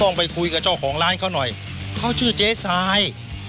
ต้องไปคุยกับเจ้าของร้านเค้าหน่อยเค้าชื่อเจ๊สาย